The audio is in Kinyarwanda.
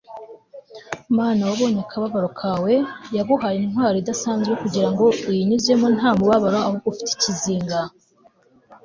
mana, wabonye akababaro kawe, yaguhaye intwaro idasanzwe kugira ngo uyinyuzemo, nta mubabaro ahubwo ufite ikizinga - c s lewis